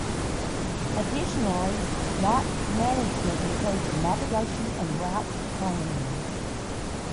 Additionally, yacht management includes navigation and route planning.